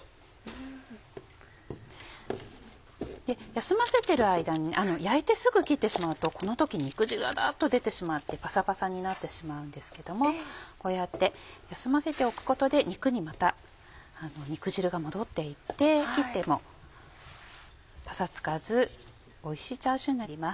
休ませてる間に焼いてすぐ切ってしまうとこの時肉汁がガっと出てしまってパサパサになってしまうんですけどもこうやって休ませておくことで肉にまた肉汁が戻って行って切ってもパサつかずおいしいチャーシューになります。